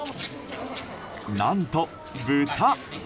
何と、豚！